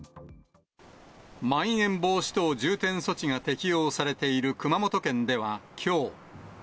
まん延防止等重点措置が適用されている熊本県ではきょう。